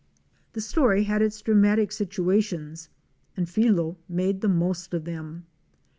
The story had its dramatic situations and Filo made the most of them.